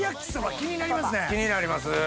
気になります。